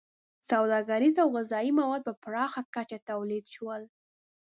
• سوداګریز او غذایي مواد په پراخه کچه تولید شول.